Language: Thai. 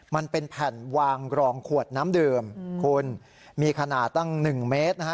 มันเป็นแผ่นวางรองขวดน้ำเดิมมีขนาดตั้ง๑เมตร